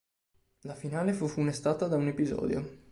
La finale fu funestata da un episodio.